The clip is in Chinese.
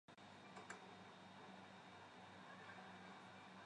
你还有朋友在外面？